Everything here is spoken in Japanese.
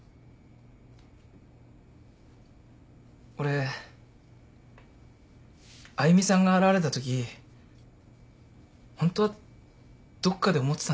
俺あゆみさんが現れたときホントはどっかで思ってたんですよね。